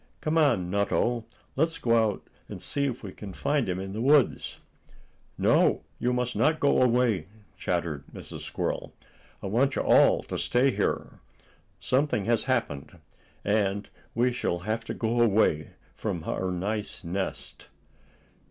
Come on, Nutto. Let's go out and see if we can find him in the woods." "No, you must not go away!" chattered Mrs. Squirrel. "I want you all to stay here. Something has happened, and we shall have to go away from our nice nest."